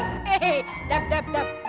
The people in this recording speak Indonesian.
hehehe dap dap dap